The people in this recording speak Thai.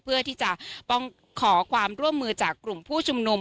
เพื่อที่จะต้องขอความร่วมมือจากกลุ่มผู้ชุมนุม